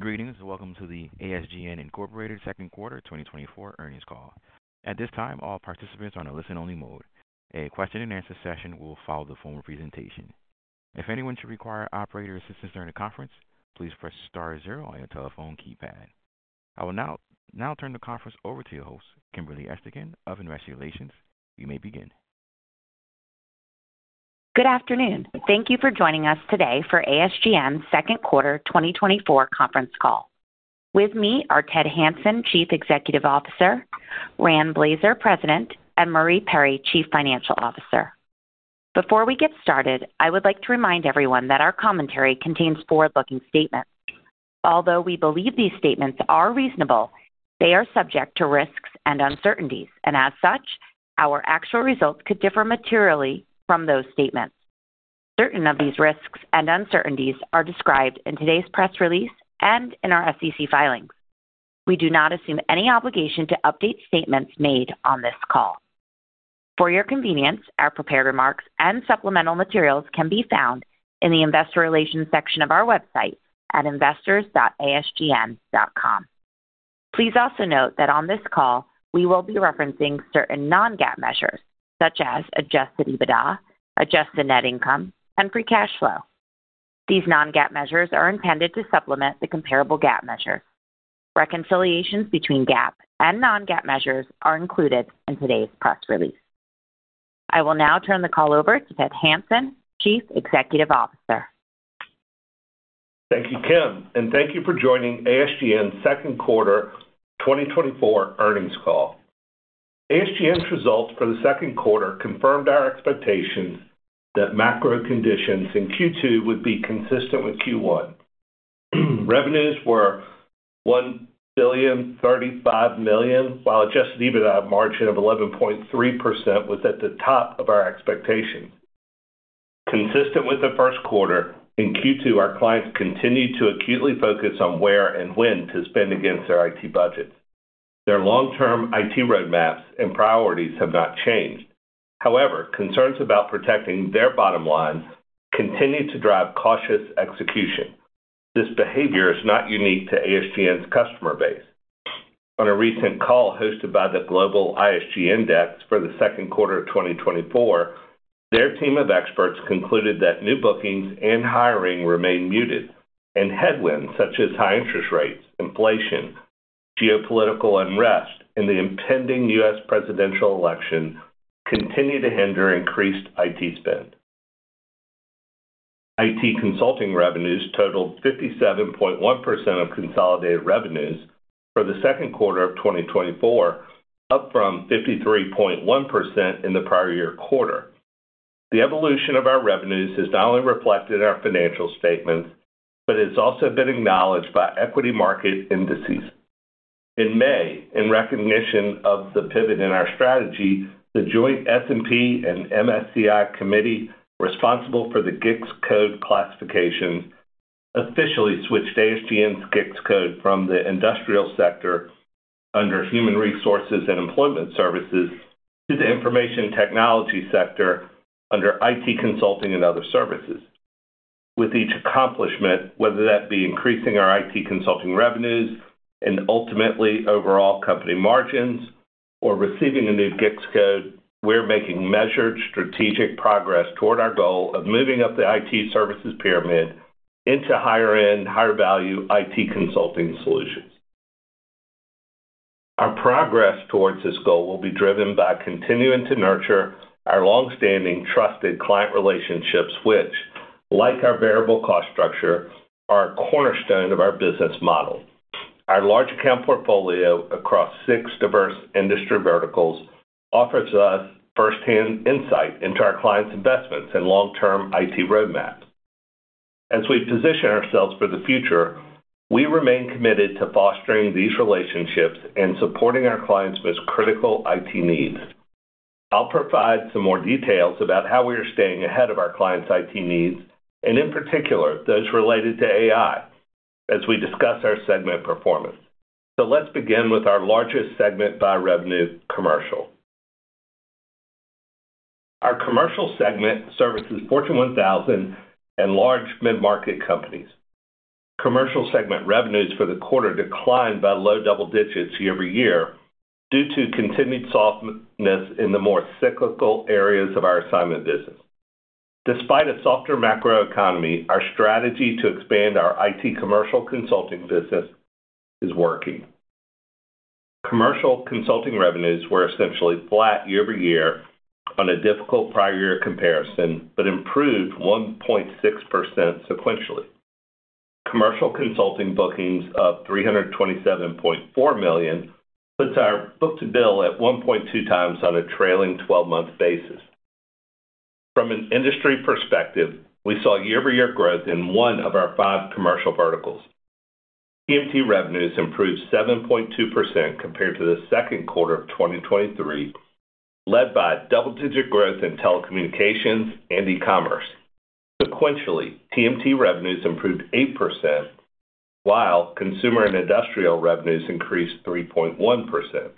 Greetings, and welcome to the ASGN Incorporated second quarter 2024 Earnings Call. At this time, all participants are in a listen-only mode. A question-and-answer session will follow the formal presentation. If anyone should require operator assistance during the conference, please press star zero on your telephone keypad. I will now turn the conference over to your host, Kimberly Esterkin of Investor Relations. You may begin. Good afternoon. Thank you for joining us today for ASGN's second quarter 2024 conference call. With me are Ted Hanson, Chief Executive Officer, Rand Blazer, President, and Marie Perry, Chief Financial Officer. Before we get started, I would like to remind everyone that our commentary contains forward-looking statements. Although we believe these statements are reasonable, they are subject to risks and uncertainties, and as such, our actual results could differ materially from those statements. Certain of these risks and uncertainties are described in today's press release and in our SEC filings. We do not assume any obligation to update statements made on this call. For your convenience, our prepared remarks and supplemental materials can be found in the Investor Relations section of our website at investors.asgn.com. Please also note that on this call, we will be referencing certain non-GAAP measures such as adjusted EBITDA, adjusted net income, and free cash flow. These non-GAAP measures are intended to supplement the comparable GAAP measure. Reconciliations between GAAP and non-GAAP measures are included in today's press release. I will now turn the call over to Ted Hanson, Chief Executive Officer. Thank you, Kim, and thank you for joining ASGN's Second Quarter 2024 Earnings Call. ASGN's results for the second quarter confirmed our expectations that macro conditions in Q2 would be consistent with Q1. Revenues were $1,035,000,000, while adjusted EBITDA margin of 11.3% was at the top of our expectations. Consistent with the first quarter, in Q2, our clients continued to acutely focus on where and when to spend against their IT budgets. Their long-term IT roadmaps and priorities have not changed. However, concerns about protecting their bottom lines continue to drive cautious execution. This behavior is not unique to ASGN's customer base. On a recent call hosted by the Global ISG Index for the second quarter of 2024, their team of experts concluded that new bookings and hiring remain muted, and headwinds such as high interest rates, inflation, geopolitical unrest, and the impending U.S. presidential election continue to hinder increased IT spend. IT consulting revenues totaled 57.1% of consolidated revenues for the second quarter of 2024, up from 53.1% in the prior year quarter. The evolution of our revenues is not only reflected in our financial statements, but it's also been acknowledged by equity market indices. In May, in recognition of the pivot in our strategy, the joint S&P and MSCI committee, responsible for the GICS code classification, officially switched ASGN's GICS code from the industrial sector under Human Resources and Employment Services to the information technology sector under IT Consulting & Other Services. With each accomplishment, whether that be increasing our IT consulting revenues and ultimately overall company margins or receiving a new GICS code, we're making measured, strategic progress toward our goal of moving up the IT services pyramid into higher end, higher value IT consulting solutions. Our progress toward this goal will be driven by continuing to nurture our long-standing, trusted client relationships, which, like our variable cost structure, are a cornerstone of our business model. Our large account portfolio across six diverse industry verticals offers us firsthand insight into our clients' investments and long-term IT roadmap. As we position ourselves for the future, we remain committed to fostering these relationships and supporting our clients' most critical IT needs. I'll provide some more details about how we are staying ahead of our clients' IT needs, and in particular, those related to AI as we discuss our segment performance. So let's begin with our largest segment by revenue, Commercial. Our Commercial segment services Fortune 1000 and large mid-market companies. Commercial segment revenues for the quarter declined by low double digits year-over-year due to continued softness, softness in the more cyclical areas of our assignment business. Despite a softer macroeconomy, our strategy to expand our IT commercial consulting business is working. Commercial consulting revenues were essentially flat year-over-year on a difficult prior year comparison, but improved 1.6% sequentially. Commercial consulting bookings of $327.4 million puts our book-to-bill at 1.2x on a trailing 12-month basis. From an industry perspective, we saw year-over-year growth in one of our five commercial verticals. TMT revenues improved 7.2% compared to the second quarter of 2023, led by double-digit growth in telecommunications and e-commerce. Sequentially, TMT revenues improved 8%, while consumer and industrial revenues increased 3.1%.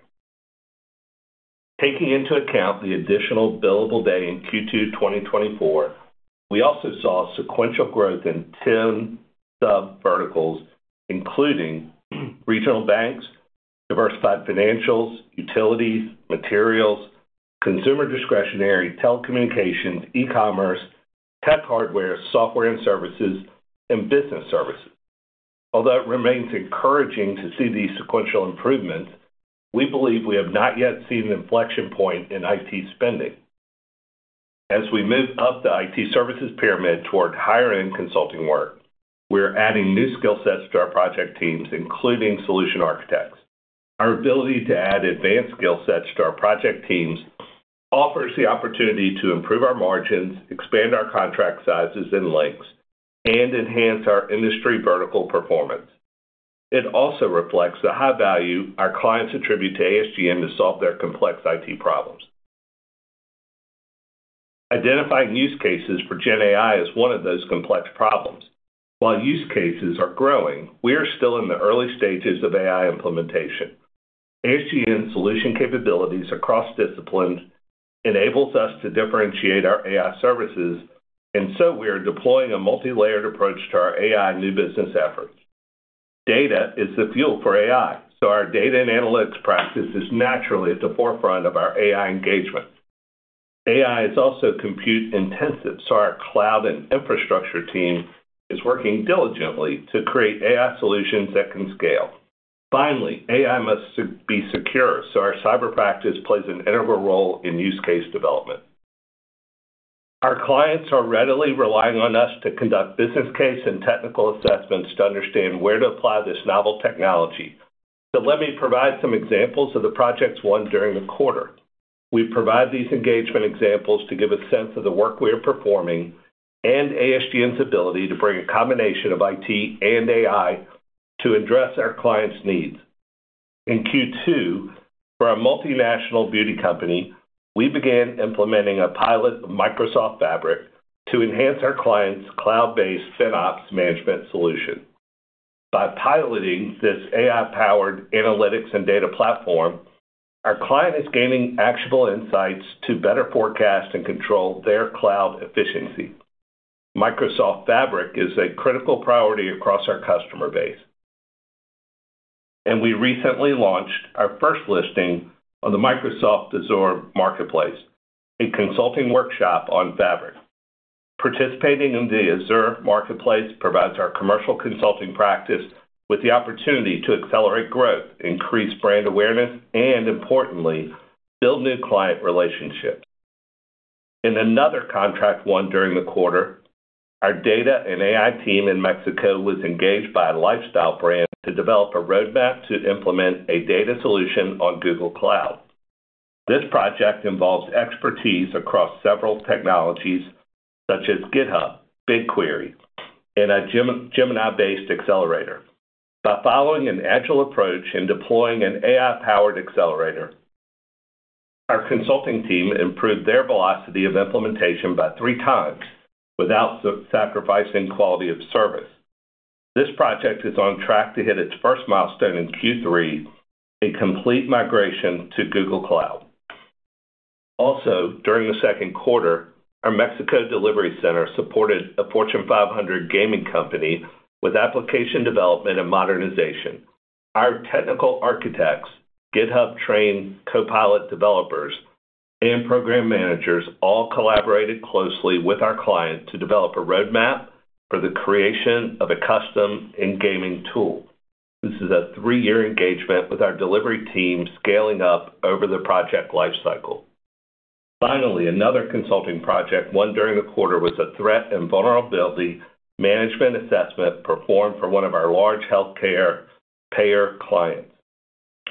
Taking into account the additional billable day in Q2 2024, we also saw sequential growth in 10 sub-verticals, including regional banks, diversified financials, utilities, materials, consumer discretionary, telecommunications, e-commerce, tech hardware, software and services, and business services. Although it remains encouraging to see these sequential improvements, we believe we have not yet seen an inflection point in IT spending. As we move up the IT services pyramid toward higher-end consulting work, we are adding new skill sets to our project teams, including solution architects. Our ability to add advanced skill sets to our project teams offers the opportunity to improve our margins, expand our contract sizes and lengths, and enhance our industry vertical performance. It also reflects the high value our clients attribute to ASGN to solve their complex IT problems. Identifying use cases for Gen AI is one of those complex problems. While use cases are growing, we are still in the early stages of AI implementation. ASGN's solution capabilities across disciplines enables us to differentiate our AI services, and so we are deploying a multilayered approach to our AI new business efforts. Data is the fuel for AI, so our data and analytics practice is naturally at the forefront of our AI engagement. AI is also compute-intensive, so our cloud and infrastructure team is working diligently to create AI solutions that can scale. Finally, AI must be secure, so our cyber practice plays an integral role in use case development. Our clients are readily relying on us to conduct business case and technical assessments to understand where to apply this novel technology. So let me provide some examples of the projects won during the quarter. We provide these engagement examples to give a sense of the work we are performing and ASGN's ability to bring a combination of IT and AI to address our clients' needs. In Q2, for a multinational beauty company, we began implementing a pilot of Microsoft Fabric to enhance our client's cloud-based FinOps management solution. By piloting this AI-powered analytics and data platform, our client is gaining actionable insights to better forecast and control their cloud efficiency. Microsoft Fabric is a critical priority across our customer base, and we recently launched our first listing on the Microsoft Azure Marketplace, a consulting workshop on Fabric. Participating in the Azure Marketplace provides our commercial consulting practice with the opportunity to accelerate growth, increase brand awareness, and importantly, build new client relationships. In another contract won during the quarter, our data and AI team in Mexico was engaged by a lifestyle brand to develop a roadmap to implement a data solution on Google Cloud. This project involves expertise across several technologies such as GitHub, BigQuery, and a Gemini-based accelerator. By following an agile approach in deploying an AI-powered accelerator, our consulting team improved their velocity of implementation by 3x without sacrificing quality of service. This project is on track to hit its first milestone in Q3, a complete migration to Google Cloud. Also, during the second quarter, our Mexico delivery center supported a Fortune 500 gaming company with application development and modernization. Our technical architects, GitHub-trained Copilot developers, and program managers all collaborated closely with our client to develop a roadmap for the creation of a custom in-gaming tool. This is a three-year engagement with our delivery team scaling up over the project lifecycle. Finally, another consulting project won during the quarter was a threat and vulnerability management assessment performed for one of our large healthcare payer clients.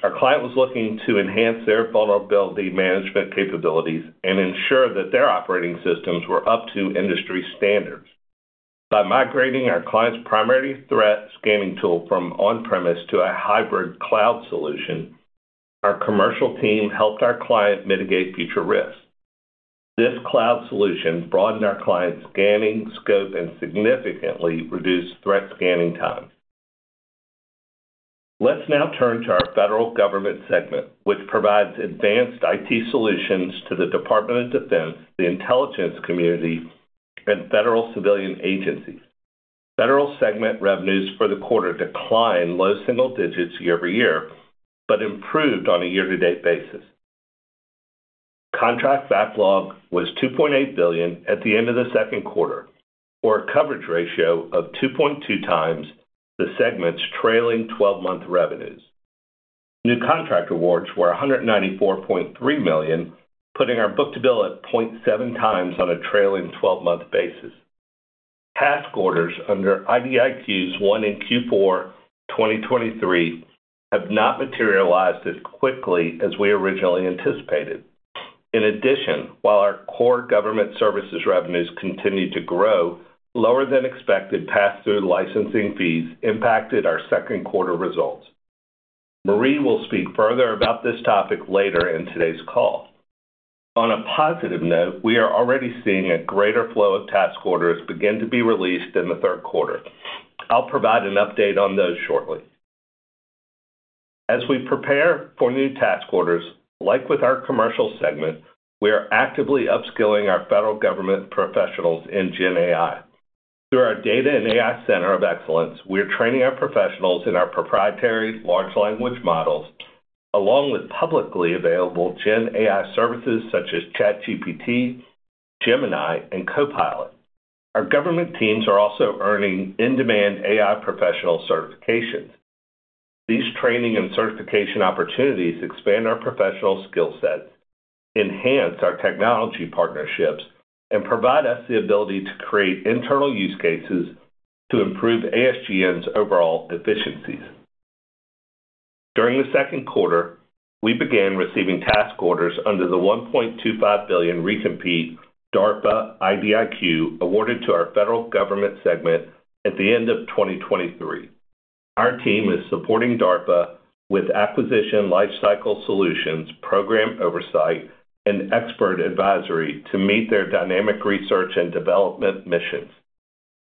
Our client was looking to enhance their vulnerability management capabilities and ensure that their operating systems were up to industry standards. By migrating our client's primary threat scanning tool from on-premises to a hybrid cloud solution, our Commercial team helped our client mitigate future risks. This cloud solution broadened our client's scanning scope and significantly reduced threat scanning time. Let's now turn to our Federal Government segment, which provides advanced IT solutions to the Department of Defense, the intelligence community, and federal civilian agencies. Federal segment revenues for the quarter declined low single digits year-over-year, but improved on a year-to-date basis. Contract backlog was $2.8 billion at the end of the second quarter, or a coverage ratio of 2.2x the segment's trailing 12-month revenues. New contract awards were $194.3 million, putting our book-to-bill at 0.7x on a trailing 12-month basis. Task orders under IDIQs won in Q4 2023 have not materialized as quickly as we originally anticipated. In addition, while our core government services revenues continued to grow, lower than expected pass-through licensing fees impacted our second quarter results. Marie will speak further about this topic later in today's call. On a positive note, we are already seeing a greater flow of task orders begin to be released in the third quarter. I'll provide an update on those shortly. As we prepare for new task orders, like with our Commercial segment, we are actively upskilling our Federal Government professionals in GenAI. Through our Data and AI Center of Excellence, we are training our professionals in our proprietary large language models, along with publicly available GenAI services such as ChatGPT, Gemini, and Copilot. Our government teams are also earning in-demand AI professional certifications. These training and certification opportunities expand our professional skill set, enhance our technology partnerships, and provide us the ability to create internal use cases to improve ASGN's overall efficiencies. During the second quarter, we began receiving task orders under the $1.25 billion recompete DARPA IDIQ, awarded to our Federal Government segment at the end of 2023. Our team is supporting DARPA with acquisition lifecycle solutions, program oversight, and expert advisory to meet their dynamic research and development missions.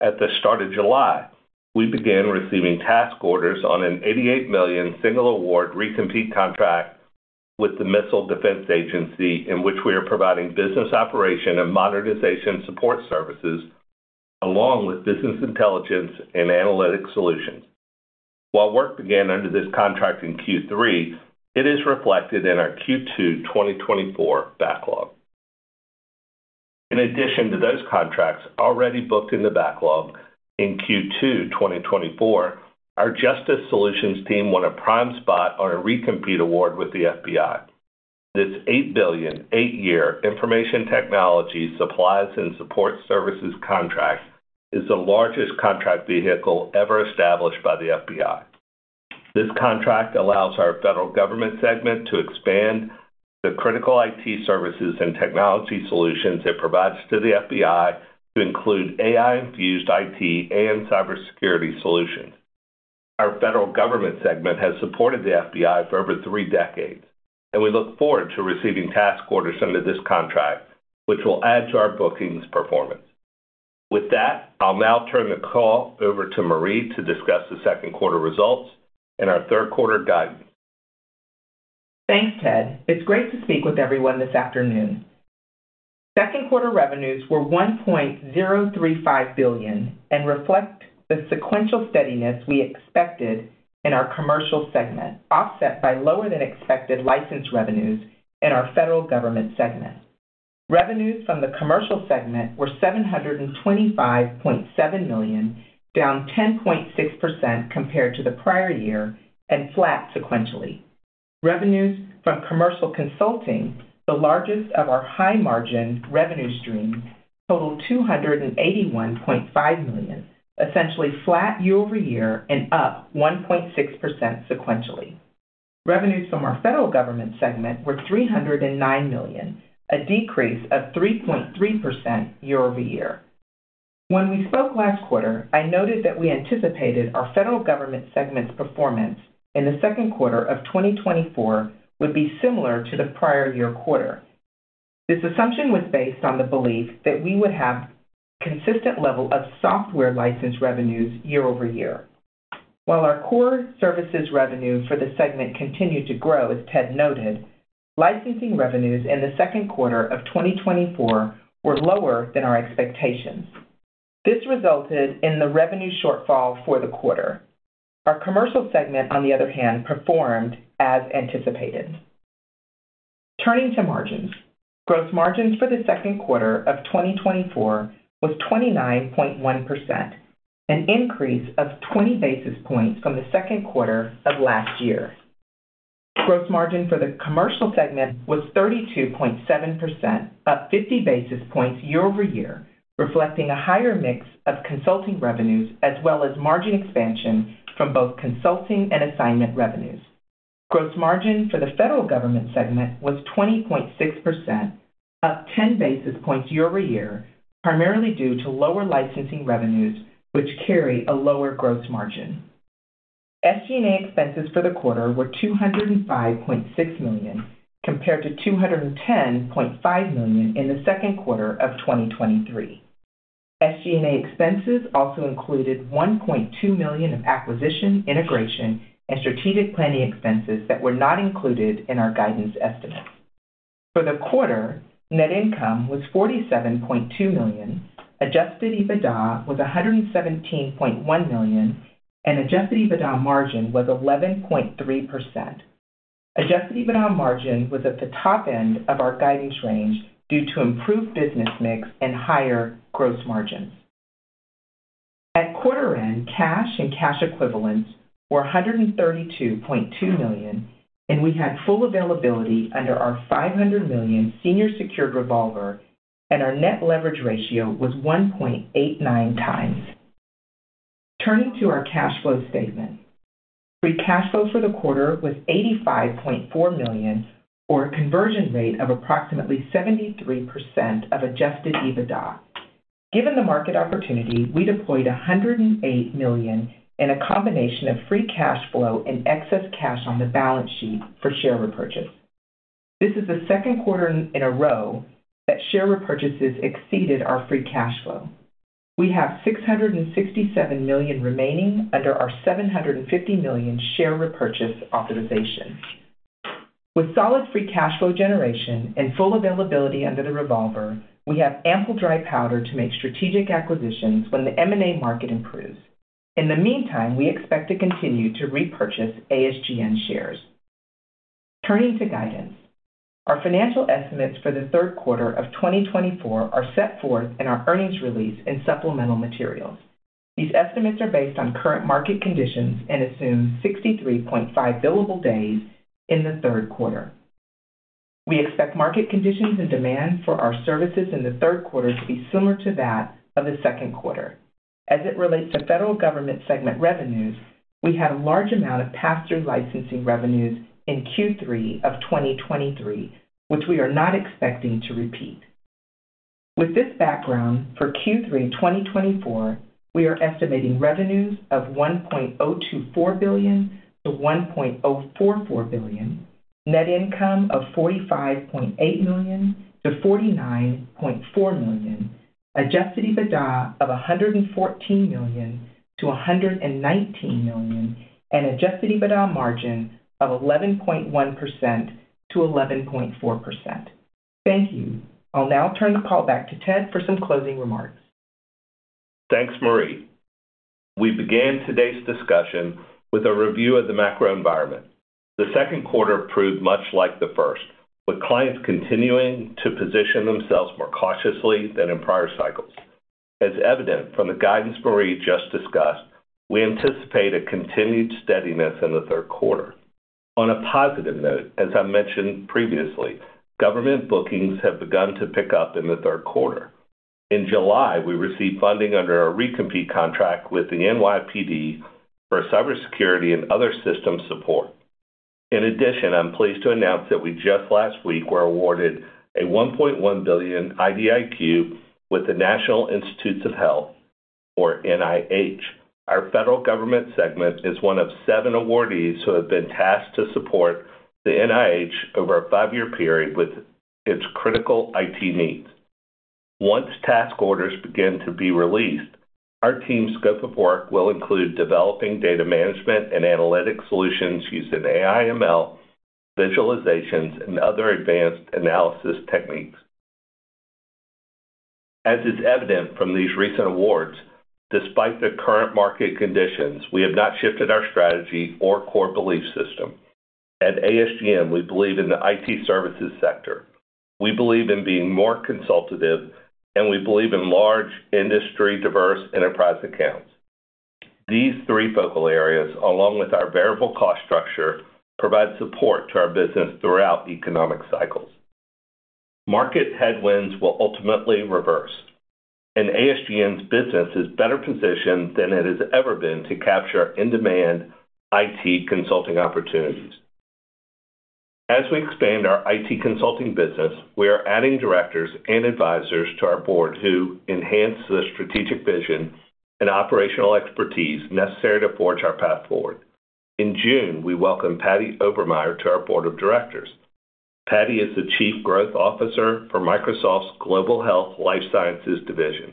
At the start of July, we began receiving task orders on an $88 million single award recompete contract with the Missile Defense Agency, in which we are providing business operation and modernization support services, along with business intelligence and analytic solutions. While work began under this contract in Q3, it is reflected in our Q2 2024 backlog. In addition to those contracts already booked in the backlog in Q2 2024, our Justice Solutions team won a prime spot on a recompete award with the FBI. This $8 billion, eight-year information technology supplies and support services contract is the largest contract vehicle ever established by the FBI. This contract allows our Federal Government segment to expand the critical IT services and technology solutions it provides to the FBI to include AI-infused IT and cybersecurity solutions. Our Federal Government segment has supported the FBI for over three decades, and we look forward to receiving task orders under this contract, which will add to our bookings performance. With that, I'll now turn the call over to Marie to discuss the second quarter results and our third quarter guidance. Thanks, Ted. It's great to speak with everyone this afternoon. Second quarter revenues were $1.035 billion and reflect the sequential steadiness we expected in our Commercial segment, offset by lower-than-expected license revenues in our Federal Government segment. Revenues from the Commercial segment were $725.7 million, down 10.6% compared to the prior year and flat sequentially. Revenues from commercial consulting, the largest of our high-margin revenue streams, totaled $281.5 million, essentially flat year-over-year and up 1.6% sequentially. Revenues from our Federal Government segment were $309 million, a decrease of 3.3% year-over-year. When we spoke last quarter, I noted that we anticipated our Federal Government segment's performance in the second quarter of 2024 would be similar to the prior year quarter. This assumption was based on the belief that we would have consistent level of software license revenues year-over-year. While our core services revenue for the segment continued to grow, as Ted noted, licensing revenues in the second quarter of 2024 were lower than our expectations. This resulted in the revenue shortfall for the quarter. Our Commercial segment, on the other hand, performed as anticipated. Turning to margins. Gross margins for the second quarter of 2024 was 29.1%, an increase of 20 basis points from the second quarter of last year. Gross margin for the Commercial segment was 32.7%, up 50 basis points year over year, reflecting a higher mix of consulting revenues, as well as margin expansion from both consulting and assignment revenues. Gross margin for the Federal Government segment was 20.6%, up 10 basis points year-over-year, primarily due to lower licensing revenues, which carry a lower gross margin. SG&A expenses for the quarter were $205.6 million, compared to $210.5 million in the second quarter of 2023. SG&A expenses also included $1.2 million of acquisition, integration, and strategic planning expenses that were not included in our guidance estimate. For the quarter, net income was $47.2 million, Adjusted EBITDA was $117.1 million, and adjusted EBITDA margin was 11.3%. Adjusted EBITDA margin was at the top end of our guidance range due to improved business mix and higher gross margins. At quarter end, cash and cash equivalents were $132.2 million, and we had full availability under our $500 million senior secured revolver, and our net leverage ratio was 1.89x. Turning to our cash flow statement. Free cash flow for the quarter was $85.4 million, or a conversion rate of approximately 73% of adjusted EBITDA. Given the market opportunity, we deployed $108 million in a combination of free cash flow and excess cash on the balance sheet for share repurchase. This is the second quarter in a row that share repurchases exceeded our free cash flow. We have $667 million remaining under our $750 million share repurchase authorization. With solid free cash flow generation and full availability under the revolver, we have ample dry powder to make strategic acquisitions when the M&A market improves. In the meantime, we expect to continue to repurchase ASGN shares. Turning to guidance. Our financial estimates for the third quarter of 2024 are set forth in our earnings release and supplemental materials. These estimates are based on current market conditions and assume 63.5 billable days in the third quarter. We expect market conditions and demand for our services in the third quarter to be similar to that of the second quarter. As it relates to Federal Government segment revenues, we had a large amount of pass-through licensing revenues in Q3 of 2023, which we are not expecting to repeat. With this background, for Q3 2024, we are estimating revenues of $1.024 billion-$1.044 billion, net income of $45.8 million-$49.4 million, adjusted EBITDA of $114 million-$119 million, and adjusted EBITDA margin of 11.1%-11.4%. Thank you. I'll now turn the call back to Ted for some closing remarks. Thanks, Marie. We began today's discussion with a review of the macro environment. The second quarter proved much like the first, with clients continuing to position themselves more cautiously than in prior cycles. As evident from the guidance Marie just discussed, we anticipate a continued steadiness in the third quarter. On a positive note, as I mentioned previously, government bookings have begun to pick up in the third quarter. In July, we received funding under our recompete contract with the NYPD for cybersecurity and other system support. In addition, I'm pleased to announce that we just last week were awarded a $1.1 billion IDIQ with the National Institutes of Health, or NIH. Our Federal Government segment is one of seven awardees who have been tasked to support the NIH over a five-year period with its critical IT needs. Once task orders begin to be released, our team's scope of work will include developing data management and analytic solutions using AI/ML, visualizations, and other advanced analysis techniques. As is evident from these recent awards, despite the current market conditions, we have not shifted our strategy or core belief system. At ASGN, we believe in the IT services sector, we believe in being more consultative, and we believe in large industry diverse enterprise accounts. These three focal areas, along with our variable cost structure, provide support to our business throughout economic cycles. Market headwinds will ultimately reverse, and ASGN's business is better positioned than it has ever been to capture in-demand IT consulting opportunities. As we expand our IT consulting business, we are adding directors and advisors to our Board who enhance the strategic vision and operational expertise necessary to forge our path forward. In June, we welcomed Patty Obermaier to our Board of Directors. Patty is the Chief Growth Officer for Microsoft's Global Health Life Sciences Division.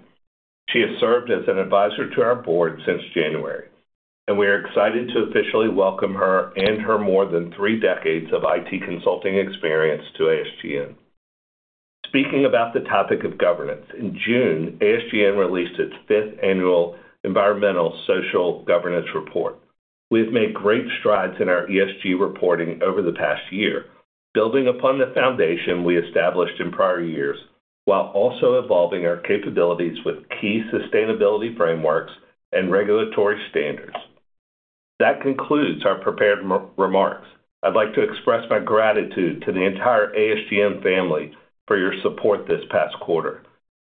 She has served as an advisor to our Board since January, and we are excited to officially welcome her and her more than three decades of IT consulting experience to ASGN. Speaking about the topic of governance, in June, ASGN released its fifth annual Environmental Social Governance report. We have made great strides in our ESG reporting over the past year, building upon the foundation we established in prior years, while also evolving our capabilities with key sustainability frameworks and regulatory standards. That concludes our prepared remarks. I'd like to express my gratitude to the entire ASGN family for your support this past quarter.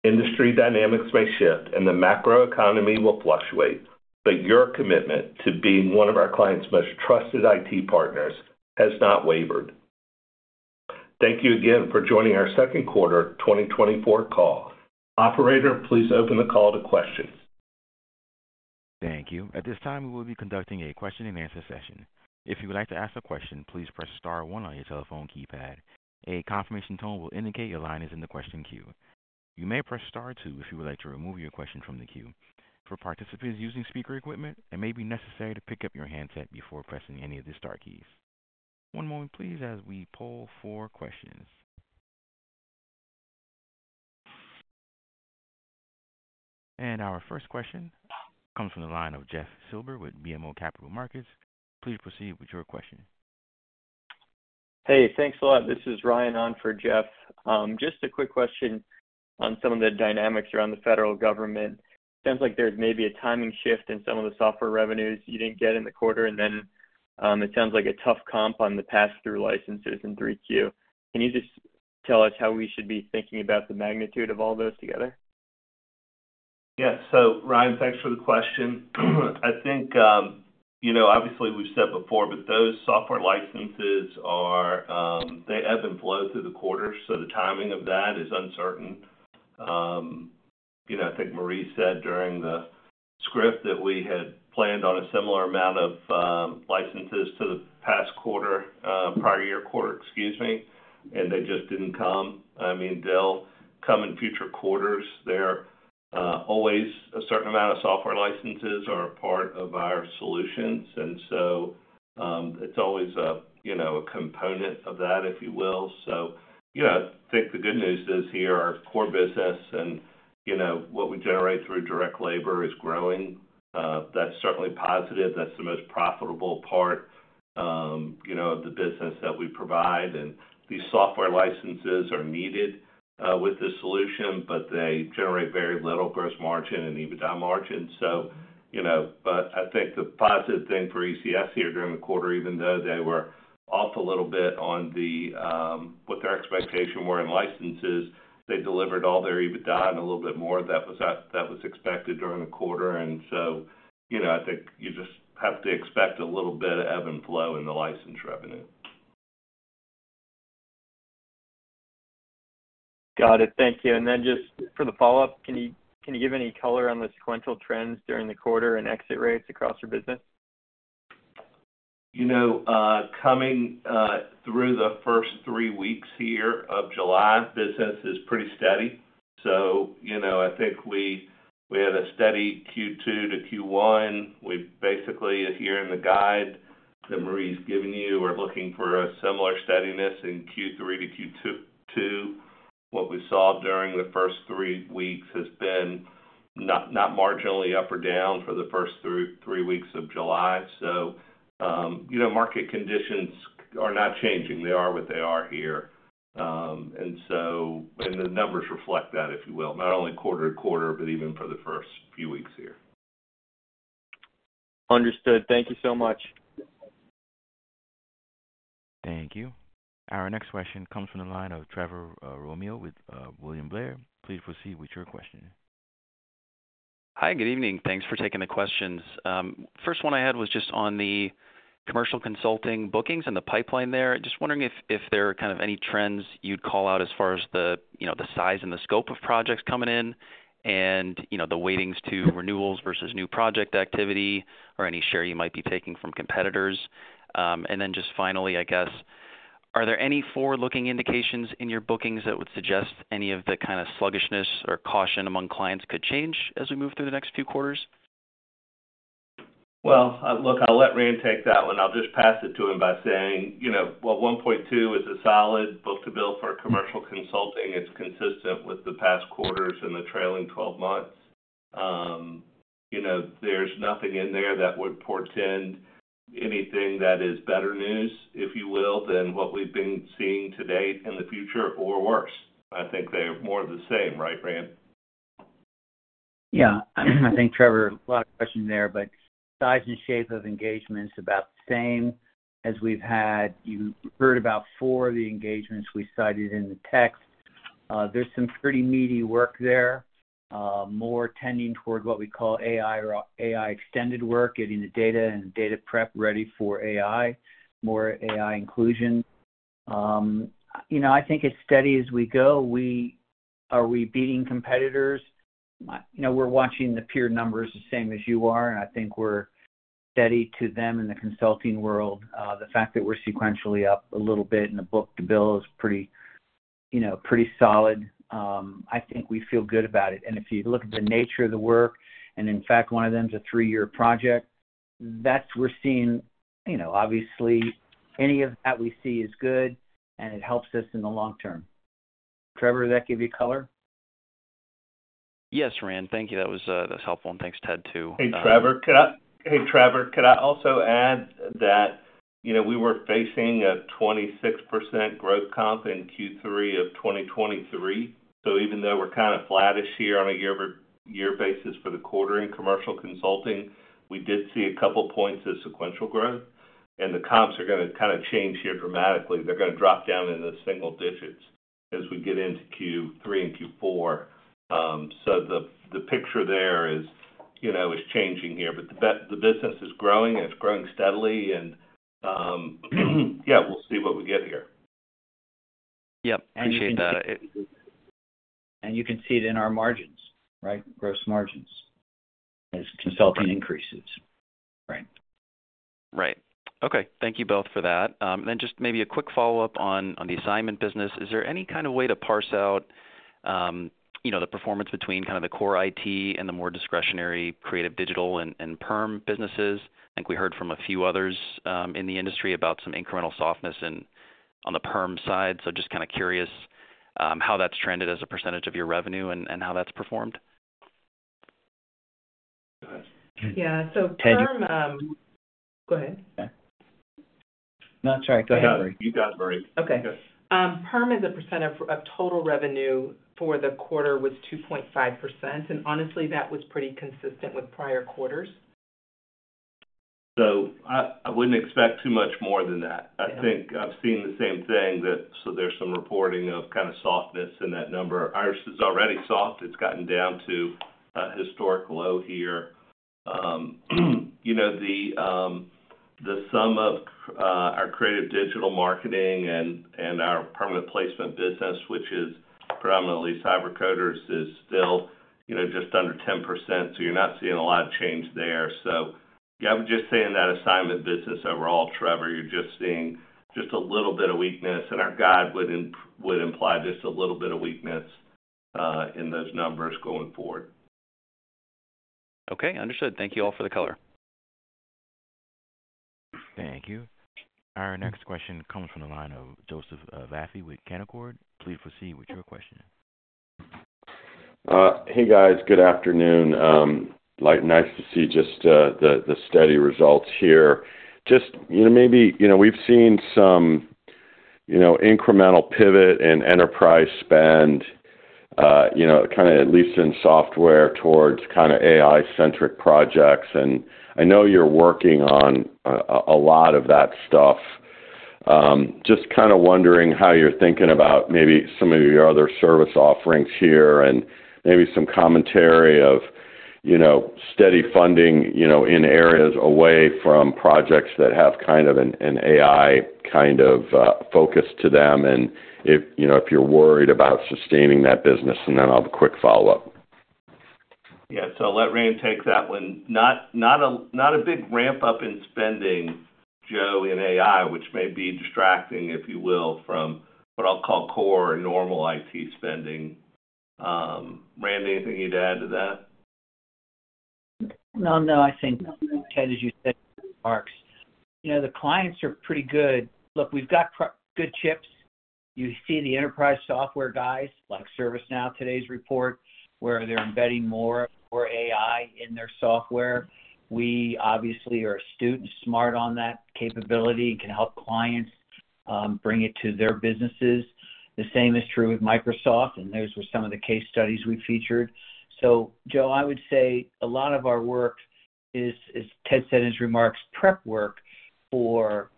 Industry dynamics may shift and the macroeconomy will fluctuate, but your commitment to being one of our clients' most trusted IT partners has not wavered. Thank you again for joining our second quarter 2024 call. Operator, please open the call to questions. Thank you. At this time, we will be conducting a question-and-answer session. If you would like to ask a question, please press star one on your telephone keypad. A confirmation tone will indicate your line is in the question queue. You may press star two if you would like to remove your question from the queue. For participants using speaker equipment, it may be necessary to pick up your handset before pressing any of the star keys. One moment, please, as we poll for questions. And our first question comes from the line of Jeff Silber with BMO Capital Markets. Please proceed with your question. Hey, thanks a lot. This is Ryan on for Jeff. Just a quick question on some of the dynamics around the federal government. Sounds like there's maybe a timing shift in some of the software revenues you didn't get in the quarter, and then, it sounds like a tough comp on the pass-through licenses in 3Q. Can you just tell us how we should be thinking about the magnitude of all those together?... Yes. So Ryan, thanks for the question. I think, you know, obviously, we've said before, but those software licenses are, they ebb and flow through the quarter, so the timing of that is uncertain. You know, I think Marie said during the script that we had planned on a similar amount of licenses to the past quarter, prior year quarter, excuse me, and they just didn't come. I mean, they'll come in future quarters. They're always a certain amount of software licenses are a part of our solutions, and so, it's always, you know, a component of that, if you will. So, you know, I think the good news is here, our core business and, you know, what we generate through direct labor is growing. That's certainly positive. That's the most profitable part, you know, of the business that we provide, and these software licenses are needed with this solution, but they generate very little gross margin and EBITDA margin. So, you know, but I think the positive thing for ECS here during the quarter, even though they were off a little bit on the what their expectation were in licenses, they delivered all their EBITDA and a little bit more. That was that, that was expected during the quarter, and so, you know, I think you just have to expect a little bit of ebb and flow in the license revenue. Got it. Thank you. And then just for the follow-up, can you, can you give any color on the sequential trends during the quarter and exit rates across your business? You know, coming through the first three weeks here of July, business is pretty steady. So, you know, I think we had a steady Q2 to Q1. We basically are here in the guide that Marie's given you. We're looking for a similar steadiness in Q3 to Q2, too, what we saw during the first three weeks has been not marginally up or down for the first three weeks of July. So, you know, market conditions are not changing. They are what they are here. And so, and the numbers reflect that, if you will, not only quarter-to-quarter, but even for the first few weeks here. Understood. Thank you so much. Thank you. Our next question comes from the line of Trevor Romeo with William Blair. Please proceed with your question. Hi, good evening. Thanks for taking the questions. First one I had was just on the commercial consulting bookings and the pipeline there. Just wondering if there are kind of any trends you'd call out as far as the, you know, the size and the scope of projects coming in and, you know, the weightings to renewals versus new project activity or any share you might be taking from competitors. And then just finally, I guess, are there any forward-looking indications in your bookings that would suggest any of the kind of sluggishness or caution among clients could change as we move through the next few quarters? Well, look, I'll let Rand take that one. I'll just pass it to him by saying, you know, well, 1.2x is a solid book-to-bill for commercial consulting. It's consistent with the past quarters and the trailing 12 months. You know, there's nothing in there that would portend anything that is better news, if you will, than what we've been seeing to date in the future or worse. I think they are more of the same. Right, Rand? Yeah. I think, Trevor, a lot of questions there, but size and shape of engagement is about the same as we've had. You heard about four of the engagements we cited in the text. There's some pretty meaty work there, more tending toward what we call AI or AI extended work, getting the data and data prep ready for AI, more AI inclusion. You know, I think as steady as we go. Are we beating competitors? You know, we're watching the peer numbers the same as you are, and I think we're steady to them in the consulting world. The fact that we're sequentially up a little bit in the book-to-bill is pretty, you know, pretty solid. I think we feel good about it. If you look at the nature of the work, and in fact, one of them is a three-year project, that's we're seeing, you know, obviously any of that we see is good, and it helps us in the long term. Trevor, does that give you color? Yes, Rand. Thank you. That was, that was helpful. Thanks, Ted, too. Hey, Trevor, could I also add that, you know, we were facing a 26% growth comp in Q3 of 2023. So even though we're kind of flattish here on a year-over-year basis for the quarter in commercial consulting, we did see a couple of points of sequential growth, and the comps are gonna kinda change here dramatically. They're gonna drop down into the single digits as we get into Q3 and Q4. So the picture there is, you know, is changing here, but the business is growing, and it's growing steadily, and yeah, we'll see what we get here. Yep, appreciate that. You can see it in our margins, right? Gross margins as consulting increases, right. Right. Okay. Thank you both for that. Then just maybe a quick follow-up on, on the assignment business. Is there any kind of way to parse out, you know, the performance between kind of the core IT and the more discretionary creative, digital, and, and perm businesses? I think we heard from a few others, in the industry about some incremental softness and on the perm side. So just kind of curious, how that's trended as a percentage of your revenue and, and how that's performed. Go ahead. Yeah, so perm. Go ahead. Yeah. No, sorry. Go ahead, Marie. You got it, Marie. Okay. Yes. Perm as a percent of total revenue for the quarter was 2.5%, and honestly, that was pretty consistent with prior quarters. ... So I wouldn't expect too much more than that. I think I've seen the same thing that so there's some reporting of kind of softness in that number. Ours is already soft. It's gotten down to a historic low here. You know, the sum of our creative digital marketing and our permanent placement business, which is predominantly CyberCoders, is still, you know, just under 10%, so you're not seeing a lot of change there. So yeah, I would just say in that assignment business overall, Trevor, you're just seeing just a little bit of weakness, and our guide would imply just a little bit of weakness in those numbers going forward. Okay, understood. Thank you all for the color. Thank you. Our next question comes from the line of Joseph Vafi with Canaccord. Please proceed with your question. Hey, guys. Good afternoon. Like, nice to see just the steady results here. Just, you know, maybe, you know, we've seen some, you know, incremental pivot in enterprise spend, you know, kind of at least in software, towards kind of AI-centric projects. And I know you're working on a lot of that stuff. Just kind of wondering how you're thinking about maybe some of your other service offerings here, and maybe some commentary of, you know, steady funding, you know, in areas away from projects that have kind of an AI kind of focus to them, and if, you know, if you're worried about sustaining that business, and then I'll have a quick follow-up. Yeah. So I'll let Rand take that one. Not a big ramp-up in spending, Joe, in AI, which may be distracting, if you will, from what I'll call core normal IT spending. Rand, anything you'd add to that? No, no, I think, Ted, as you said, marks. You know, the clients are pretty good. Look, we've got good chips. You see the enterprise software guys, like ServiceNow, today's report, where they're embedding more for AI in their software. We obviously are astute and smart on that capability and can help clients, bring it to their businesses. The same is true with Microsoft, and those were some of the case studies we featured. So Joe, I would say a lot of our work is, as Ted said in his remarks, prep work for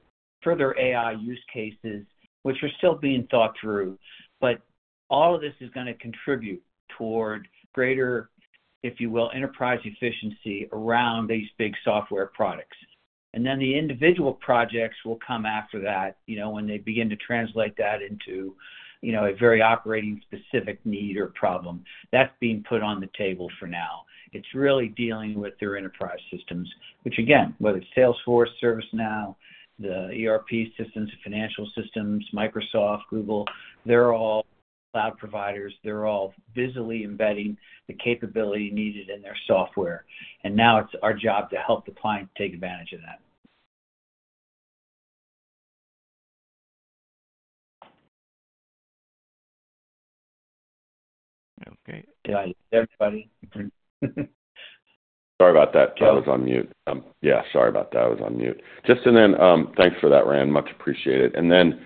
further AI use cases, which are still being thought through. But all of this is gonna contribute toward greater, if you will, enterprise efficiency around these big software products. And then the individual projects will come after that, you know, when they begin to translate that into, you know, a very operating specific need or problem. That's being put on the table for now. It's really dealing with their enterprise systems, which again, whether it's Salesforce, ServiceNow, the ERP systems, financial systems, Microsoft, Google, they're all cloud providers. They're all busily embedding the capability needed in their software, and now it's our job to help the client take advantage of that. Okay. Yeah, everybody. Sorry about that. I was on mute. Yeah, sorry about that. I was on mute. Just and then... Thanks for that, Rand. Much appreciated. And then,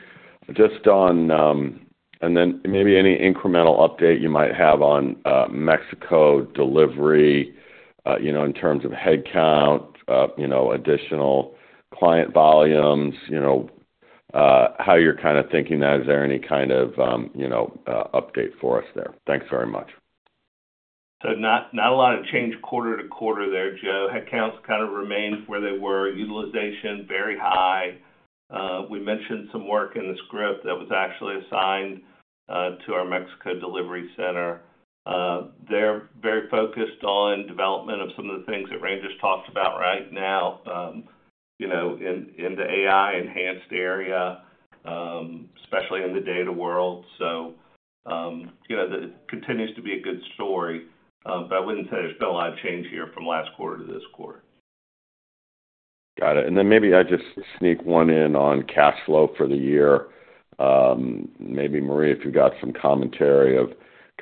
just on and then maybe any incremental update you might have on Mexico delivery, you know, in terms of head count, you know, additional client volumes, you know, how you're kind of thinking that. Is there any kind of, you know, update for us there? Thanks very much. So not a lot of change quarter-to-quarter there, Joe. Headcounts kind of remained where they were, utilization, very high. We mentioned some work in the script that was actually assigned to our Mexico delivery center. They're very focused on development of some of the things that Rand just talked about right now, you know, in the AI enhanced area, especially in the data world. So, you know, that continues to be a good story, but I wouldn't say there's been a lot of change here from last quarter to this quarter. Got it, and then maybe I just sneak one in on cash flow for the year. Maybe, Marie, if you've got some commentary of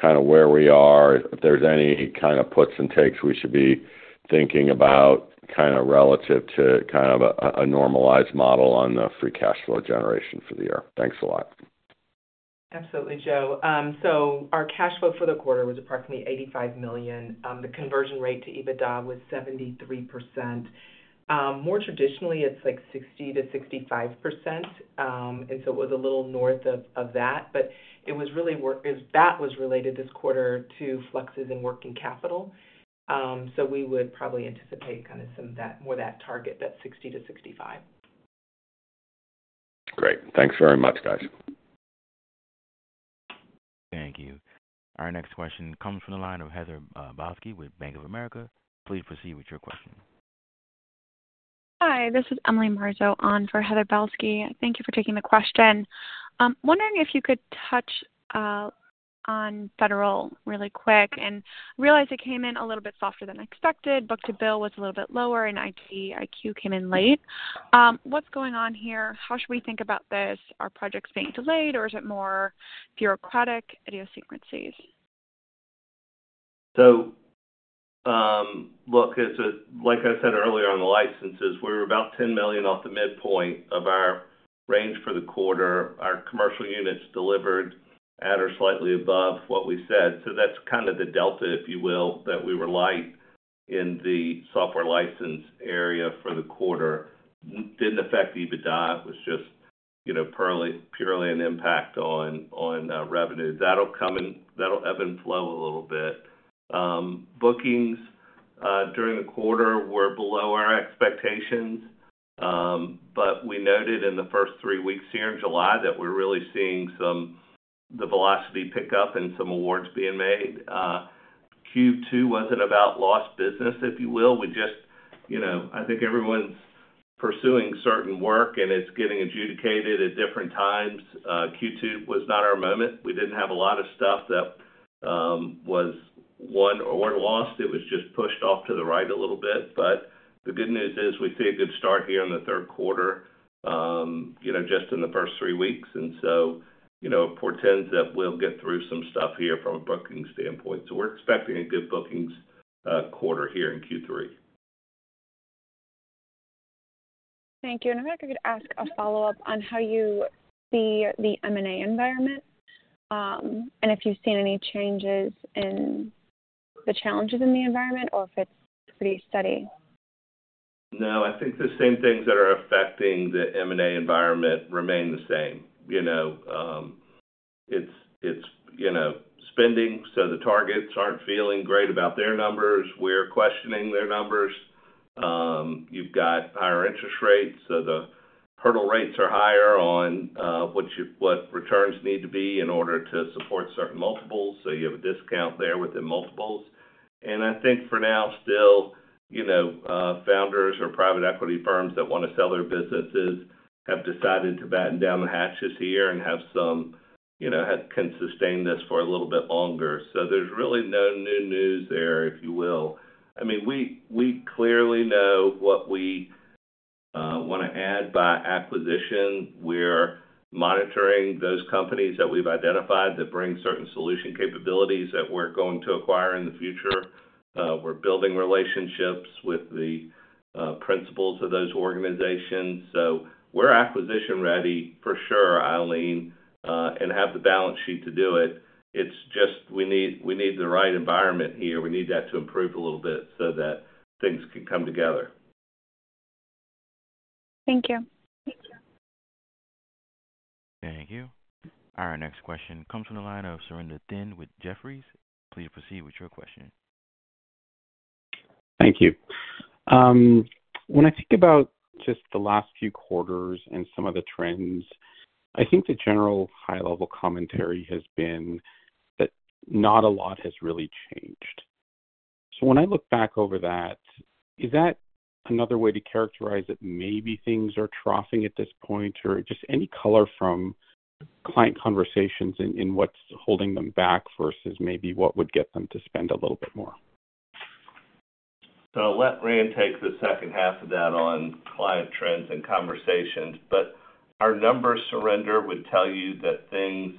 kind of where we are, if there's any kind of puts and takes we should be thinking about, kind of relative to kind of a normalized model on the free cash flow generation for the year. Thanks a lot. Absolutely, Joe. So our cash flow for the quarter was approximately $85 million. The conversion rate to EBITDA was 73%. More traditionally, it's like 60%-65%, and so it was a little north of that, but it was really because that was related this quarter to fluctuations in working capital. So we would probably anticipate kind of some of that, more that target, that 60%-65%. Great. Thanks very much, guys. Thank you. Our next question comes from the line of Heather Balsky, with Bank of America. Please proceed with your question. Hi, this is Emily Marzo on for Heather Balsky. Thank you for taking the question. Wondering if you could touch on Federal really quick, and realize it came in a little bit softer than expected. Book-to-bill was a little bit lower, and IDIQ came in late. What's going on here? How should we think about this? Are projects being delayed, or is it more bureaucratic idiosyncrasies? So, look, like I said earlier on the licenses, we're about $10 million off the midpoint of our range for the quarter. Our Commercial units delivered at or slightly above what we said. So that's kind of the delta, if you will, that we were light in the software license area for the quarter. It didn't affect EBITDA. It was just, you know, purely an impact on revenue. That'll come in, that'll ebb and flow a little bit. Bookings during the quarter were below our expectations, but we noted in the first three weeks here in July that we're really seeing the velocity pick up and some awards being made. Q2 wasn't about lost business, if you will. We just, you know, I think everyone's pursuing certain work, and it's getting adjudicated at different times. Q2 was not our moment. We didn't have a lot of stuff that was won or lost. It was just pushed off to the right a little bit, but the good news is we see a good start here in the third quarter, you know, just in the first three weeks, and so, you know, portends that we'll get through some stuff here from a booking standpoint. So we're expecting a good bookings quarter here in Q3. Thank you. If I could ask a follow-up on how you see the M&A environment, and if you've seen any changes in the challenges in the environment or if it's pretty steady? No, I think the same things that are affecting the M&A environment remain the same. You know, it's, you know, spending, so the targets aren't feeling great about their numbers. We're questioning their numbers. You've got higher interest rates, so the hurdle rates are higher on what returns need to be in order to support certain multiples. So you have a discount there within multiples. And I think for now, still, you know, founders or private equity firms that want to sell their businesses have decided to batten down the hatches here and have some, you know, can sustain this for a little bit longer. So there's really no new news there, if you will. I mean, we clearly know what we want to add by acquisition. We're monitoring those companies that we've identified that bring certain solution capabilities that we're going to acquire in the future. We're building relationships with the principals of those organizations. So we're acquisition-ready for sure, Emily, and have the balance sheet to do it. It's just we need, we need the right environment here. We need that to improve a little bit so that things can come together. Thank you. Thank you. Our next question comes from the line of Surinder Thind with Jefferies. Please proceed with your question. Thank you. When I think about just the last few quarters and some of the trends, I think the general high-level commentary has been that not a lot has really changed. So when I look back over that, is that another way to characterize it? Maybe things are troughing at this point or just any color from client conversations in what's holding them back versus maybe what would get them to spend a little bit more. So I'll let Rand take the second half of that on client trends and conversations, but our numbers, Surinder, would tell you that things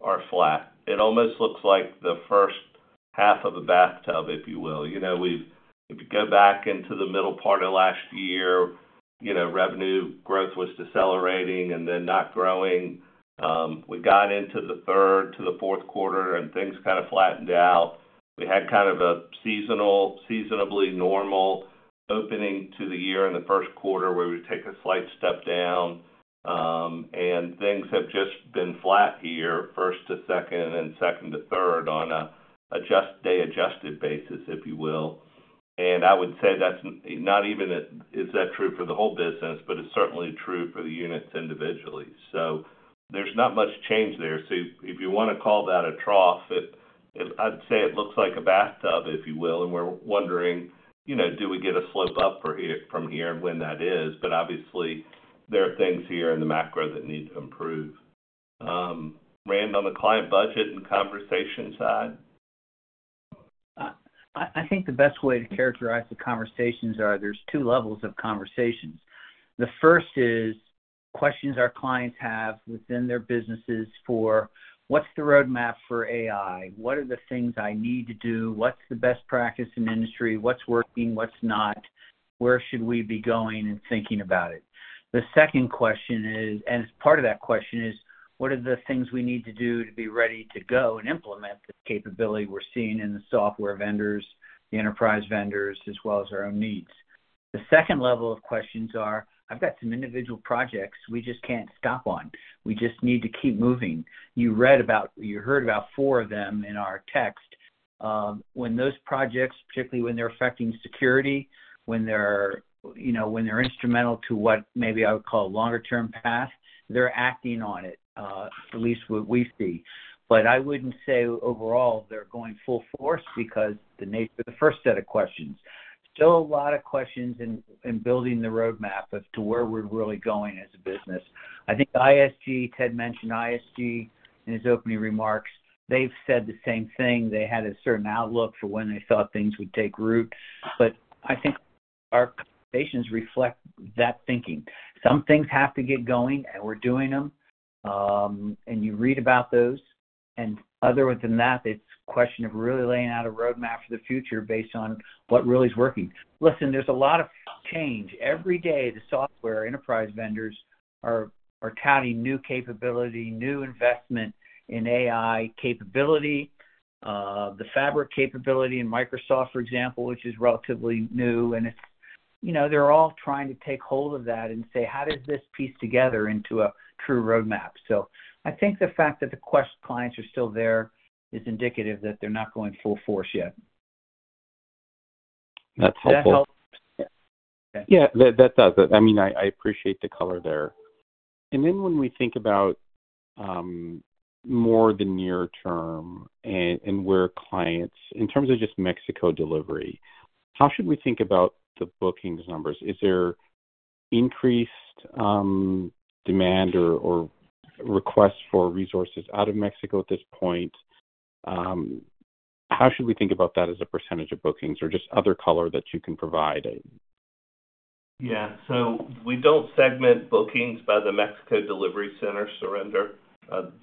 are flat. It almost looks like the first half of a bathtub, if you will. You know, if you go back into the middle part of last year, you know, revenue growth was decelerating and then not growing. We got into the third to the fourth quarter, and things kind of flattened out. We had kind of a seasonally normal opening to the year in the first quarter, where we take a slight step down, and things have just been flat here, first to second and second to third on a adjusted-day adjusted basis, if you will. And I would say that's not even a, is that true for the whole business, but it's certainly true for the units individually. So there's not much change there. If you want to call that a trough, I'd say it looks like a bathtub, if you will, and we're wondering, you know, do we get a slope up from here and when that is? But obviously, there are things here in the macro that need to improve. Rand, on the client budget and conversation side? I think the best way to characterize the conversations are, there's two levels of conversations. The first is questions our clients have within their businesses for: What's the roadmap for AI? What are the things I need to do? What's the best practice in the industry? What's working? What's not? Where should we be going and thinking about it? The second question is, and it's part of that question, is: What are the things we need to do to be ready to go and implement the capability we're seeing in the software vendors, the enterprise vendors, as well as our own needs? The second level of questions are: I've got some individual projects we just can't stop on. We just need to keep moving. You read about, you heard about four of them in our text. When those projects, particularly when they're affecting security, when they're, you know, when they're instrumental to what maybe I would call a longer-term path, they're acting on it, at least what we see. But I wouldn't say overall, they're going full force because the first set of questions. Still a lot of questions in building the roadmap as to where we're really going as a business. I think ISG, Ted mentioned ISG in his opening remarks, they've said the same thing. They had a certain outlook for when they thought things would take root, but I think our conversations reflect that thinking. Some things have to get going, and we're doing them, and you read about those. And other than that, it's a question of really laying out a roadmap for the future based on what really is working. Listen, there's a lot of change. Every day, the software enterprise vendors are announcing new capability, new investment in AI capability, the Microsoft Fabric, for example, which is relatively new. And it's, you know, they're all trying to take hold of that and say: How does this piece together into a true roadmap? So I think the fact that the Quest clients are still there is indicative that they're not going full force yet. That's helpful. Does that help? Yeah, that does. I mean, I appreciate the color there. And then when we think about more the near term and where clients, in terms of just Mexico delivery, how should we think about the bookings numbers? Is there increased demand or request for resources out of Mexico at this point? How should we think about that as a percentage of bookings or just other color that you can provide? Yeah. So we don't segment bookings by the Mexico delivery center, Surinder.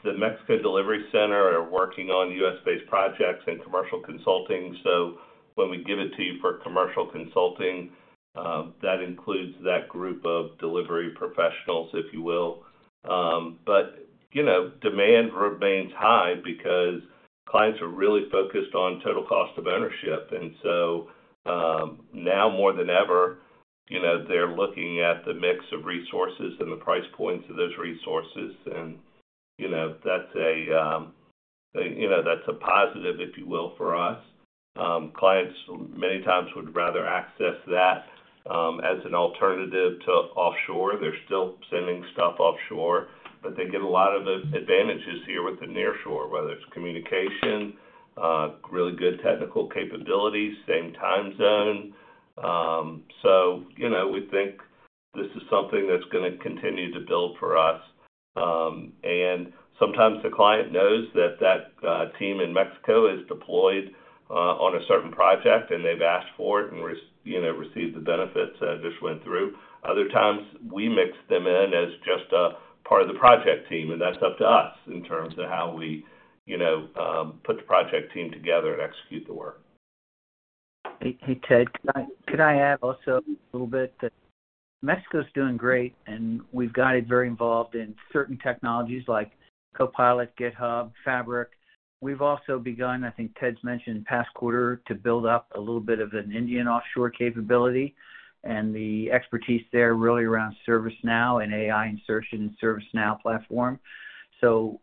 The Mexico delivery center are working on U.S.-based projects and commercial consulting, so when we give it to you for commercial consulting, that includes that group of delivery professionals, if you will. But, you know, demand remains high because clients are really focused on total cost of ownership. And so, now more than ever, you know, they're looking at the mix of resources and the price points of those resources, and, you know, that's a positive, if you will, for us. Clients many times would rather access that, as an alternative to offshore. They're still sending stuff offshore, but they get a lot of the advantages here with the nearshore, whether it's communication, really good technical capabilities, same time zone. So, you know, we think this is something that's gonna continue to build for us. And sometimes the client knows that the team in Mexico is deployed on a certain project, and they've asked for it and received the benefits I just went through. Other times, we mix them in as just a part of the project team, and that's up to us in terms of how we, you know, put the project team together and execute the work. Hey, hey, Ted, could I add also a little bit that Mexico's doing great, and we've got it very involved in certain technologies like Copilot, GitHub, Fabric. We've also begun, I think Ted's mentioned past quarter, to build up a little bit of an Indian offshore capability, and the expertise there really around ServiceNow and AI insertion in ServiceNow platform, so,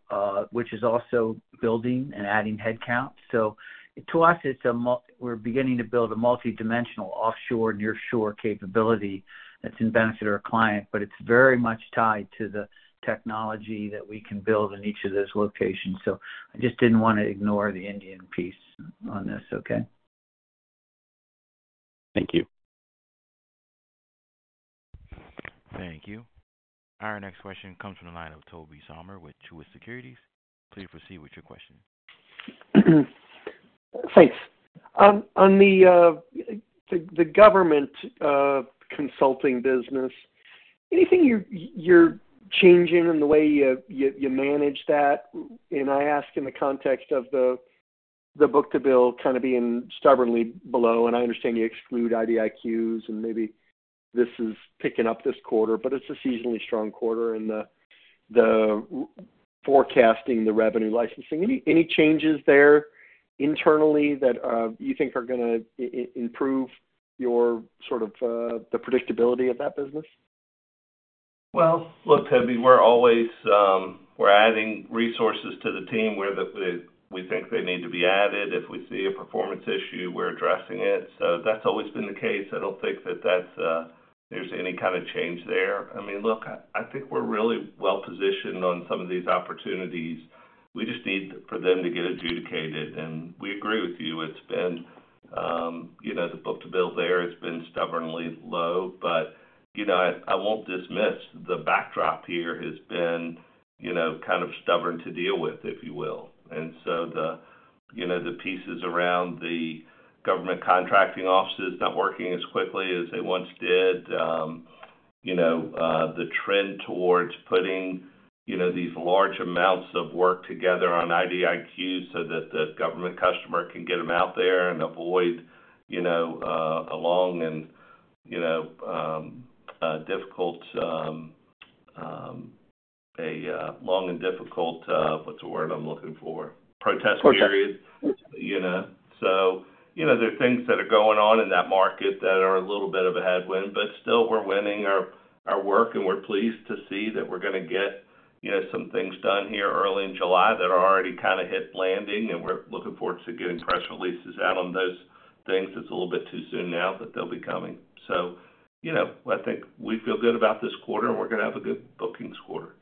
which is also building and adding headcount. So to us, it's we're beginning to build a multidimensional offshore, nearshore capability that's in benefit to our client, but it's very much tied to the technology that we can build in each of those locations. So I just didn't wanna ignore the Indian piece on this, okay? Thank you. Thank you. Our next question comes from the line of Tobey Sommer with Truist Securities. Please proceed with your question. Thanks. On the government consulting business, anything you're changing in the way you manage that? And I ask in the context of the book-to-bill kind of being stubbornly below, and I understand you exclude IDIQs, and maybe this is picking up this quarter, but it's a seasonally strong quarter, and the forecasting, the revenue licensing. Any changes there internally that you think are gonna improve your sort of the predictability of that business? Well, look, Tobey, we're always, we're adding resources to the team where we think they need to be added. If we see a performance issue, we're addressing it. So that's always been the case. I don't think that's, there's any kind of change there. I mean, look, I think we're really well positioned on some of these opportunities. We just need for them to get adjudicated, and we agree with you. It's been, you know, the book-to-bill there, it's been stubbornly low, but, you know, I, I won't dismiss the backdrop here has been, you know, kind of stubborn to deal with, if you will. And so the, you know, the pieces around the government contracting offices not working as quickly as they once did. You know, the trend towards putting, you know, these large amounts of work together on IDIQs so that the government customer can get them out there and avoid, you know, a long and difficult, what's the word I'm looking for? Protest period. Protest. You know, so, you know, there are things that are going on in that market that are a little bit of a headwind, but still, we're winning our, our work, and we're pleased to see that we're gonna get, you know, some things done here early in July that are already kind of hit landing, and we're looking forward to getting press releases out on those things. It's a little bit too soon now, but they'll be coming. So, you know, I think we feel good about this quarter, and we're gonna have a good bookings quarter.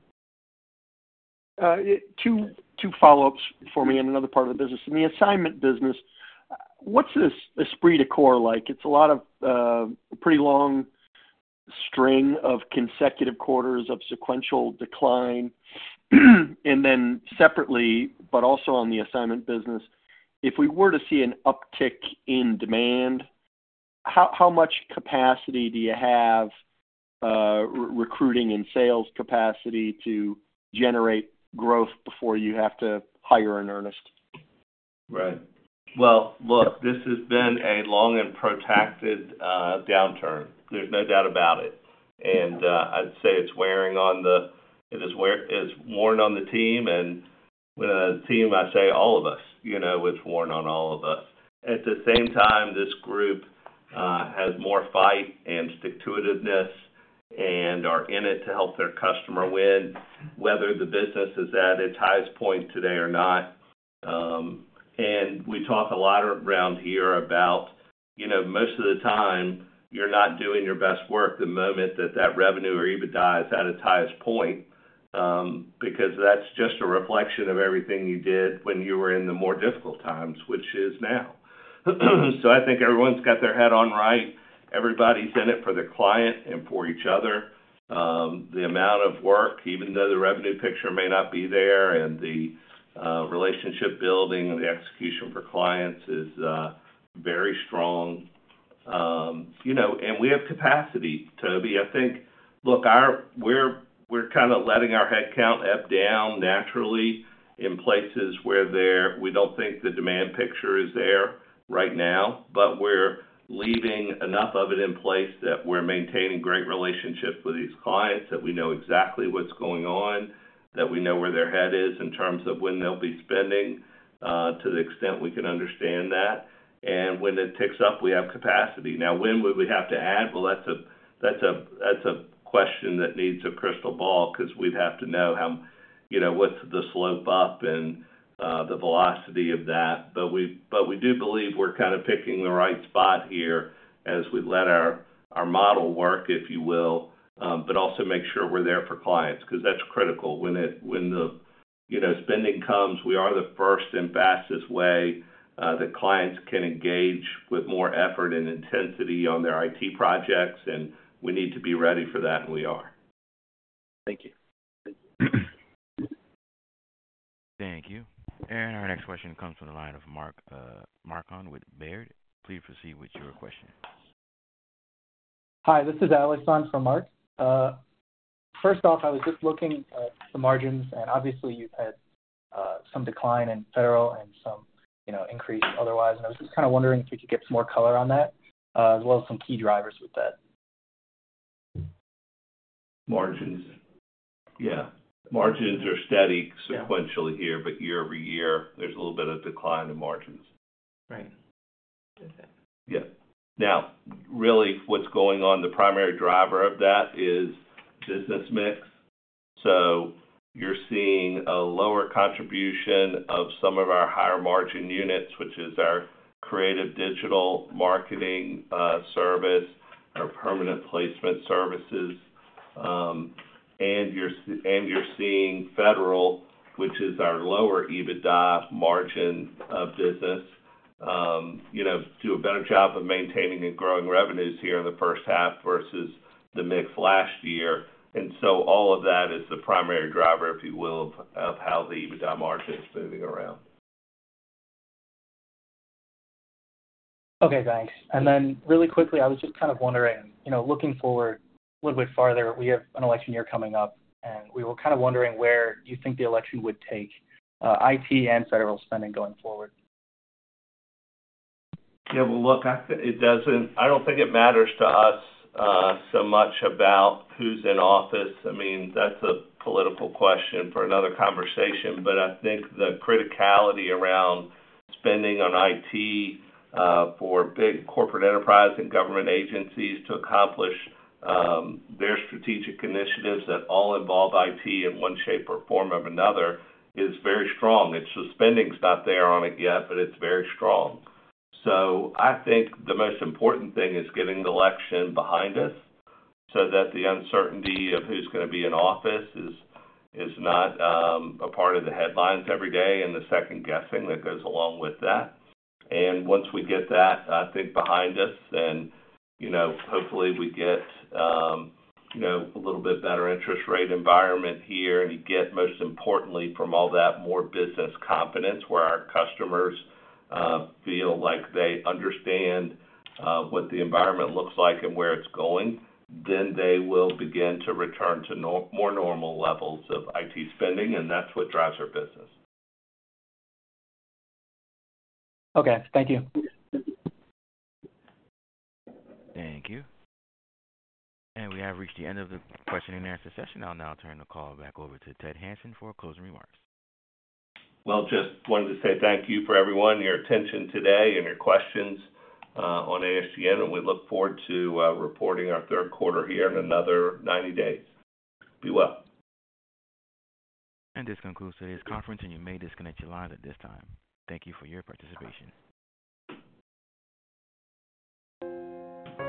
Two follow-ups for me in another part of the business. In the assignment business, what's this esprit de corps like? It's a lot of pretty long string of consecutive quarters of sequential decline. And then separately, but also on the assignment business, if we were to see an uptick in demand, how much capacity do you have, recruiting and sales capacity to generate growth before you have to hire in earnest?... Right. Well, look, this has been a long and protracted downturn. There's no doubt about it. And I'd say it's worn on the team, and when I say team, I say all of us. You know, it's worn on all of us. At the same time, this group has more fight and stick-to-it-iveness and are in it to help their customer win, whether the business is at its highest point today or not. We talk a lot around here about, you know, most of the time, you're not doing your best work the moment that that revenue or EBITDA is at its highest point, because that's just a reflection of everything you did when you were in the more difficult times, which is now. So I think everyone's got their head on right. Everybody's in it for the client and for each other. The amount of work, even though the revenue picture may not be there, and the relationship building and the execution for clients is very strong. You know, and we have capacity, Tobey, I think. Look, we're, we're kind of letting our headcount ebb down naturally in places where there... we don't think the demand picture is there right now, but we're leaving enough of it in place that we're maintaining great relationships with these clients, that we know exactly what's going on, that we know where their head is in terms of when they'll be spending, to the extent we can understand that. And when it picks up, we have capacity. Now, when would we have to add? Well, that's a question that needs a crystal ball, 'cause we'd have to know how, you know, what's the slope up and the velocity of that. But we do believe we're kind of picking the right spot here as we let our model work, if you will, but also make sure we're there for clients, 'cause that's critical. When the, you know, spending comes, we are the first and fastest way that clients can engage with more effort and intensity on their IT projects, and we need to be ready for that, and we are. Thank you. Thank you. Our next question comes from the line of Mark Marcon with Baird. Please proceed with your question. Hi, this is Alex on for Mark. First off, I was just looking at the margins, and obviously, you've had some decline in Federal and some, you know, increase otherwise. And I was just kind of wondering if we could get some more color on that, as well as some key drivers with that. Margins? Yeah. Margins are steady- Yeah. - Sequentially here, but year-over-year, there's a little bit of decline in margins. Right. Yeah. Now, really, what's going on, the primary driver of that is business mix. So you're seeing a lower contribution of some of our higher margin units, which is our creative digital marketing service, our permanent placement services. And you're seeing Federal, which is our lower EBITDA margin of business, you know, do a better job of maintaining and growing revenues here in the first half versus the mix last year. And so all of that is the primary driver, if you will, of how the EBITDA margin is moving around. Okay, thanks. And then really quickly, I was just kind of wondering, you know, looking forward a little bit farther, we have an election year coming up, and we were kind of wondering where you think the election would take IT and federal spending going forward? Yeah, well, look, I think it doesn't—I don't think it matters to us, so much about who's in office. I mean, that's a political question for another conversation, but I think the criticality around spending on IT, for big corporate enterprise and government agencies to accomplish, their strategic initiatives that all involve IT in one shape or form or another, is very strong. It's spending's not there on it yet, but it's very strong. So I think the most important thing is getting the election behind us, so that the uncertainty of who's gonna be in office is, is not, a part of the headlines every day, and the second guessing that goes along with that. And once we get that, I think, behind us, then, you know, hopefully we get a little bit better interest rate environment here, and you get, most importantly, from all that, more business confidence, where our customers feel like they understand what the environment looks like and where it's going, then they will begin to return to more normal levels of IT spending, and that's what drives our business. Okay, thank you. Thank you. We have reached the end of the question and answer session. I'll now turn the call back over to Ted Hanson for closing remarks. Well, just wanted to say thank you for everyone, your attention today and your questions, on ASGN, and we look forward to reporting our third quarter here in another 90 days. Be well. This concludes today's conference, and you may disconnect your line at this time. Thank you for your participation.